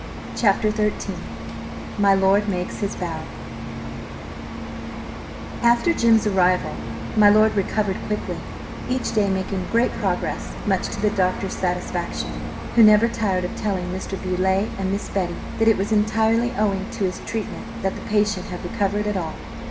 CHAPTER XIII MY LORD MAKES HIS BOW AFTER Jim's arrival my lord recovered quickly, each day making great progress, much to the doctor's satisfaction, who never tired of telling Mr. Beauleigh and Miss Betty that it was entirely owing to his treatment that the patient had recovered at all.